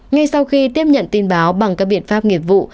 ngay sau khi tiếp nhận tin báo bằng các biện pháp nghiệp vụ